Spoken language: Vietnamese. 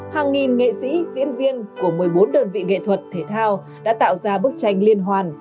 hàng nghìn nghệ sĩ diễn viên của một mươi bốn đơn vị nghệ thuật thể thao đã tạo ra bức tranh liên hoàn